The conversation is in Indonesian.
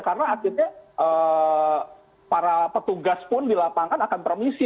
karena akhirnya para petugas pun dilapangkan akan permisi